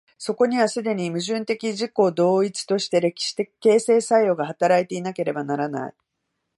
そこには既に矛盾的自己同一として歴史的形成作用が働いていなければならない。